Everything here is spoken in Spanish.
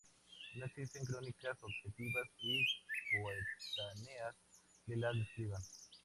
No existen crónicas objetivas y coetáneas que la describan.